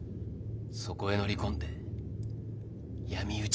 そこへ乗り込んで闇討ちにする！